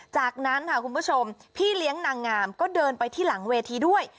จากนั้นค่ะคุณผู้ชมพี่เลี้ยงนางงามก็เดินไปที่หลังเวทีด้วย